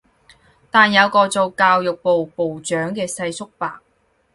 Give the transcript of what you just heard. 但有個做教育部部長嘅世叔伯